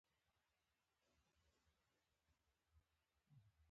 بزګران په څپیاکو ډوډئ پخوی